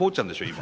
今。